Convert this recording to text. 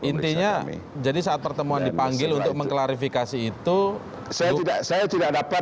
intinya jadi saat pertemuan dipanggil untuk mengkelari pemeriksaan itu